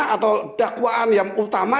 atau dakwaan yang utama